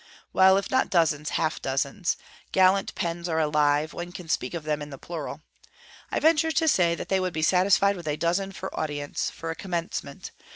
Well, if not dozens, half dozens; gallant pens are alive; one can speak of them in the plural. I venture to say that they would be satisfied with a dozen for audience, for a commencement.